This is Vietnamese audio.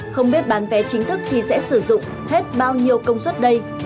không biết bán vé chính thức thì sẽ sử dụng hết bao nhiêu công suất đây